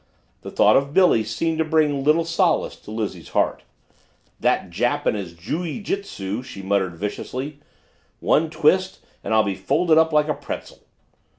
The thought of Billy seemed to bring little solace to Lizzie's heart. "That Jap and his jooy jitsu," she muttered viciously. "One twist and I'd be folded up like a pretzel."